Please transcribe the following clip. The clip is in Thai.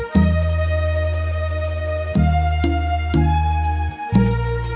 แล้วอีโทษต่อไป